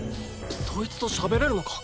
そいつとしゃべれるのか？